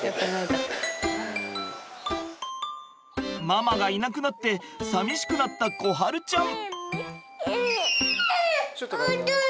ママがいなくなって寂しくなった心晴ちゃん。